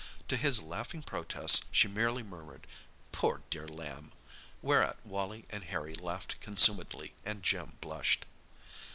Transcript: To his laughing protests she merely murmured, "Poor dear lamb!" whereat Wally and Harry laughed consumedly, and Jim blushed.